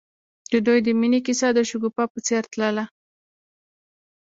د دوی د مینې کیسه د شګوفه په څېر تلله.